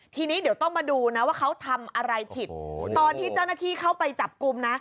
ทีนี้เดี๋ยวต้องมาดูนะว่าเขาทำอะไรผิดตอนที่เจ้าหน้าที่เข้าไปจับกลุ่มนะ